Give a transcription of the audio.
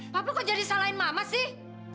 bapak kok jadi salahin mama sih